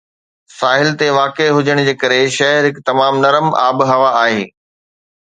ساحل تي واقع هجڻ جي ڪري، شهر هڪ تمام نرم آبهوا آهي